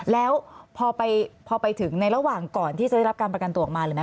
แล้วพอไปถึงในระหว่างก่อนที่จะได้รับการประกันตัวออกมาเลยนะ